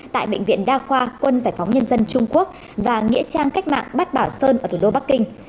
tại bệnh viện đa khoa quân giải phóng nhân dân trung quốc và nghĩa trang cách mạng bát bảo sơn ở tủ độ bắc kinh